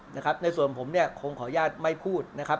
นะครับในส่วนผมเนี่ยคงขออนุญาตไม่พูดนะครับ